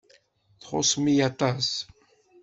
Txuṣṣem-iyi aṭas.